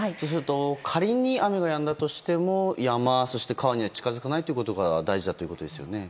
仮に雨がやんだとしても山、そして川には近づかないことが大事だということですよね。